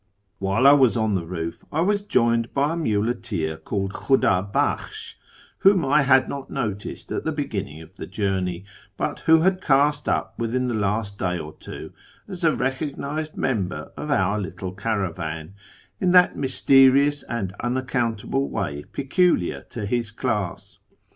While I was on the roof I was joined by a muleteer called Khuda bakhsh, whom I had not noticed at the beginning of the journey, but who had cast up within the last day or two as a recognised member of our little caravan, in that mysterious and unaccountable way peculiar to his class.